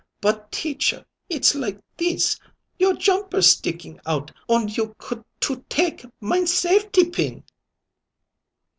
But, Teacher, it's like this: your jumper's sticking out und you could to take mine safety pin."